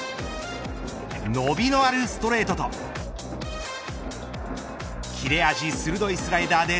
伸びのあるストレートと切れ味鋭いスライダーで